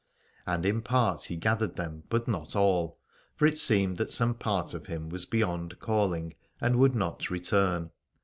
And in part he gathered them but not all : for it seemed that some part of him was be yond calling and would not return.